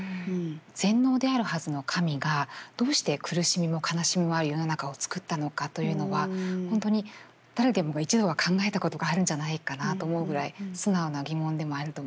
全能であるはずの神がどうして苦しみも悲しみもある世の中をつくったのかというのは本当に誰でもが一度は考えたことがあるんじゃないかなと思うぐらい素直な疑問でもあると思います。